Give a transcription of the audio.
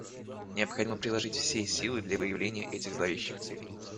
Необходимо приложить все силы для выявления этих зловещих целей.